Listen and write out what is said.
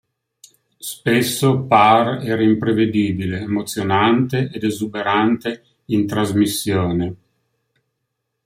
Spesso Paar era imprevedibile, emozionante, ed esuberante in trasmissione.